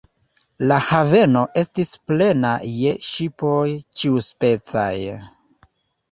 La haveno estis plena je ŝipoj ĉiuspecaj.